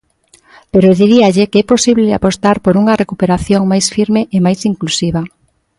Pero diríalle que é posible apostar por unha recuperación máis firme e máis inclusiva.